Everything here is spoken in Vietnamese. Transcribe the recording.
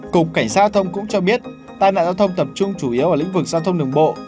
cục cảnh sát giao thông cũng cho biết tai nạn giao thông tập trung chủ yếu ở lĩnh vực giao thông đường bộ